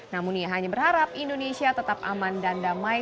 namun ia hanya berharap indonesia tetap aman dan damai